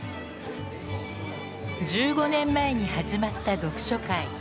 １５年前に始まった読書会。